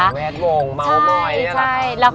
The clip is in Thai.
แม่งงงเมาเม้อยนี่แหละค่ะ